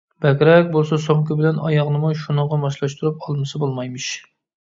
بەكرەك بولسا سومكا بىلەن ئاياغنىمۇ شۇنىڭغا ماسلاشتۇرۇپ ئالمىسا بولمايمىش.